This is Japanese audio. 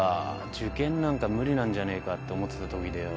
受験なんか無理なんじゃねえかって思ってたときでよ。